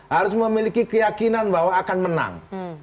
harus memiliki keyakinan bahwa akan menang